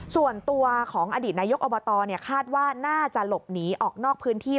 ส่วนตัวของอดีตนายกอบตคาดว่าน่าจะหลบหนีออกนอกพื้นที่